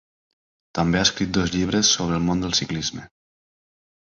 També ha escrit dos llibres sobre el món del ciclisme.